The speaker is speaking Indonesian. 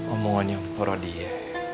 omongannya poro dia